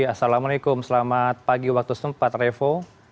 assalamualaikum selamat pagi waktu setempat revo